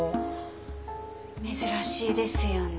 珍しいですよね。